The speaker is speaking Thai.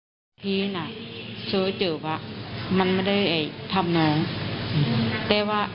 ถามปัจจุบันนี้นะไม่มีแล้วค่ะ